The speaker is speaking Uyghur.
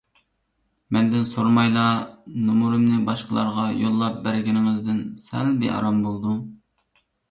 مەندىن سورىمايلا نومۇرۇمنى باشقىلارغا يوللاپ بەرگىنىڭىزدىن سەل بىئارام بولدۇم.